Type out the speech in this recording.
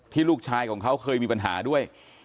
ลูกชายของเขาเคยมีปัญหาด้วย